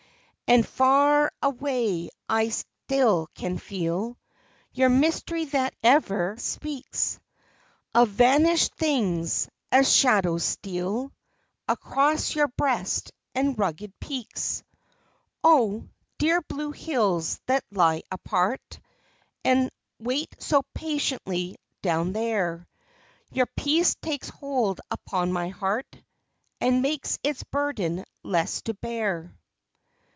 And, far away, I still can feel Your mystery that ever speaks Of vanished things, as shadows steal Across your breast and rugged peaks. O, dear blue hills, that lie apart, And wait so patiently down there, Your peace takes hold upon my heart And makes its burden less to bear.